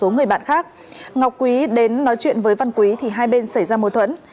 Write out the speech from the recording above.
ngọc quý đến nói chuyện với văn quý thì hai bên xảy ra mâu thuẫn